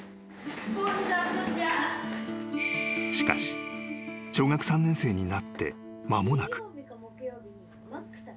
［しかし小学３年生になって間もなく］